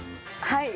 はい。